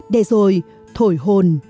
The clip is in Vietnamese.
để rồi thổi hồn